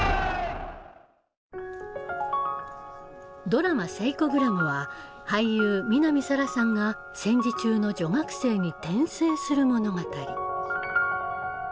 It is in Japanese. ドラマ「セイコグラム」は俳優南沙良さんが戦時中の女学生に転生する物語。